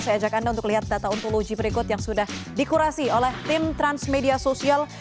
saya ajak anda untuk lihat data ontologi berikut yang sudah dikurasi oleh tim transmedia sosial